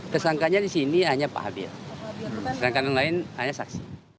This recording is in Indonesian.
tersangkanya di sini hanya pak habib tersangka lain hanya saksi